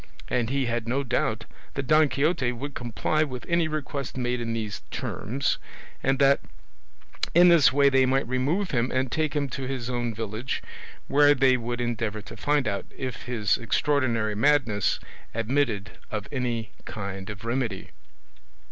And he had no doubt that Don Quixote would comply with any request made in these terms, and that in this way they might remove him and take him to his own village, where they would endeavour to find out if his extraordinary madness admitted of any kind of remedy.